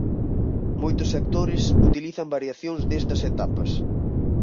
Moitos sectores utilizan variacións destas etapas.